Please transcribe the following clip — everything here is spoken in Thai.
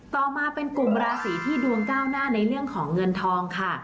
ต่อมาเป็นกลุ่มราศีที่ดวงก้าวหน้าในเรื่องของเงินทองค่ะ